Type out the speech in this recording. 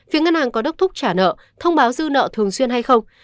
phía ngân hàng có đốc thúc trả nợ thông báo dư nợ thường xuyên hay không